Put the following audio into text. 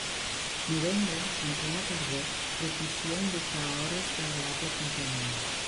Novembre, en plena tardor, propicia invocar hores d'agradable companyia.